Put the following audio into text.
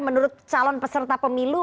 menurut calon peserta pemilu